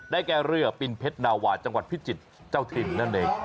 แก่เรือปินเพชรนาวาจังหวัดพิจิตรเจ้าถิ่นนั่นเอง